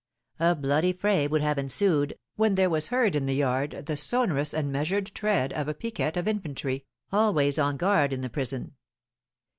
A bloody fray would have ensued, when there was heard in the yard the sonorous and measured tread of a piquet of infantry, always on guard in the prison.